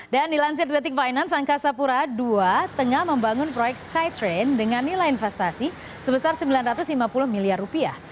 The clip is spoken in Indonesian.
dan dilansir di letik finance angkasapura ii tengah membangun proyek skytrain dengan nilai investasi sebesar sembilan ratus lima puluh miliar rupiah